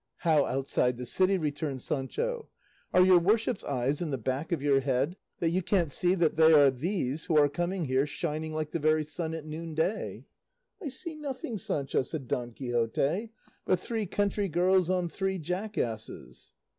"How outside the city?" returned Sancho. "Are your worship's eyes in the back of your head, that you can't see that they are these who are coming here, shining like the very sun at noonday?" "I see nothing, Sancho," said Don Quixote, "but three country girls on three jackasses."